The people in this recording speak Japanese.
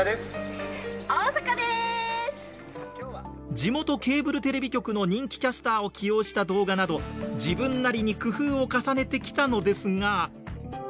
地元ケーブルテレビ局の人気キャスターを起用した動画など自分なりに工夫を重ねてきたのですが。